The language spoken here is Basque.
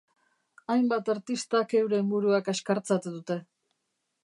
Hainbat artistak euren burua kaxkartzat dute.